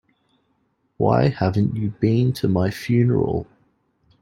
Why haven't you been to my funeral?